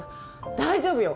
大丈夫よ。